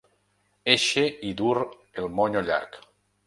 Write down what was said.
Eixe i dur el monyo llarg.